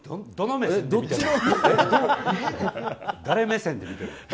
誰目線で見てたの？